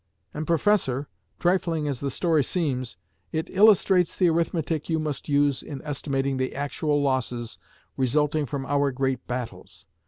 And, Professor, trifling as the story seems, it illustrates the arithmetic you must use in estimating the actual losses resulting from our great battles.